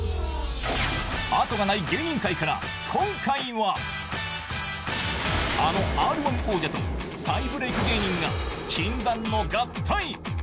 あとがない芸人界から今回はあの「Ｒ−１」王者と再ブレーク芸人が禁断の合体。